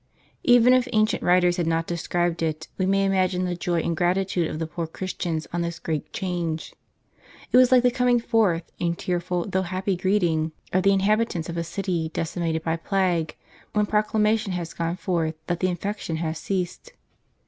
Even if ancient writers had not described it, we may imagine the joy and gratitude of the poor Christians on this great change. It was like the coming forth, and tearful though happy greeting, of the inhabitants of a city decimated by plague, when proclama tion has gone forth that the infection has ceased.